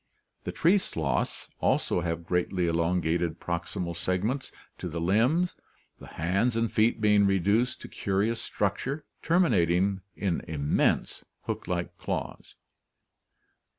The tree sloths (see Figs. 72, 73) also have greatly elongated proximal segments to the limbs, the hands and feet being reduced to curious structure! ter minating in immense hook like claws.